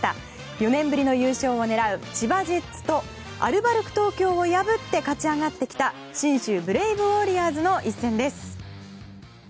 ４年ぶりの優勝を狙う千葉ジェッツとアルバルク東京を破って勝ち上がってきた信州ブレイブウォリアーズの一戦です。